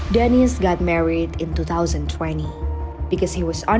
dennis berkahwin di tahun dua ribu dua puluh